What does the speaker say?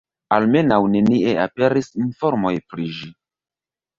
Almenaŭ nenie aperis informoj pri ĝi.